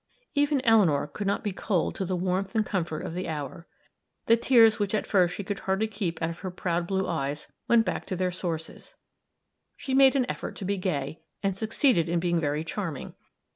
Even Eleanor could not be cold to the warmth and comfort of the hour; the tears, which at first she could hardly keep out of her proud blue eyes, went back to their sources; she made an effort to be gay, and succeeded in being very charming.